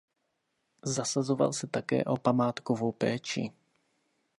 Zasazoval se také o památkovou péči.